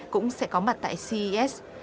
cũng sẽ có mặt tại ces